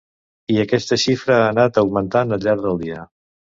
I aquesta xifra ha anat augmentant al llarg del dia.